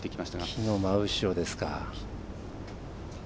木の真後ろですか。